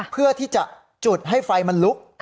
เพื่อที่จะจุดให้ไฟมันลุก